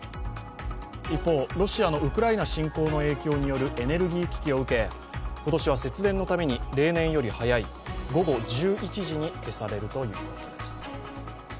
一方、ロシアのウクライナ侵攻の影響によるエネルギー危機を受け、今年は節電のために例年より早い午後１１時に消されるということです。